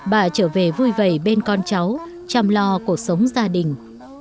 bà trở về vui vầy bên con cháu chăm lo cuộc sống gia đình